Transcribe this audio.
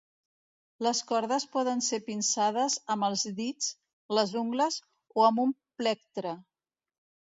Les cordes poden ser pinçades amb els dits, les ungles o amb un plectre.